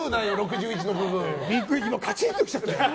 カチンと来ちゃったよ、今。